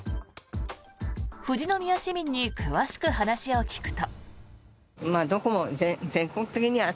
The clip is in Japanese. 富士宮市民に詳しく話を聞くと。